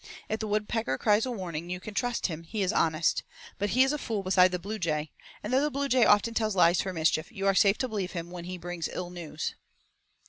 If the woodpecker cries a warning you can trust him, he is honest; but he is a fool beside the bluejay, and though the bluejay often tells lies for mischief you are safe to believe him when he brings ill news."